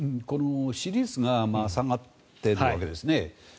支持率が下がっているわけですね。